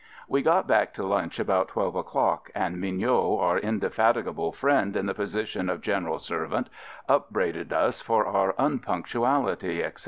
We got back to lunch about twelve o'clock, and Mignot, our indefatigable friend in the position of general servant, upbraided us for our unpunctuality, etc.